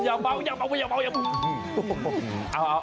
อย่าเบาอย่าเบา